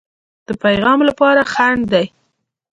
د پیغام لپاره خنډ دی.